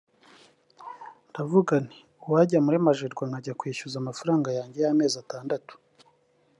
ndavuga nti uwajya muri Magerwa nkajya kwishyuza amafaranga yanjye y’amezi atandatu